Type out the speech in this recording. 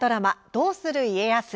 「どうする家康」